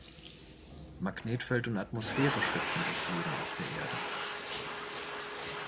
Magnetfeld und Atmosphäre schützen das Leben auf der Erde.